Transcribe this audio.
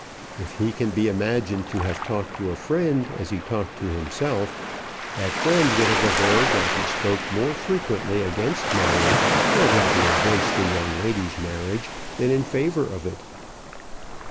If he can be imagined to have talked to a friend as he talked to himself, that friend would have averred that he spoke more frequently against marriage, or rather against the young lady's marriage, than in favour of it.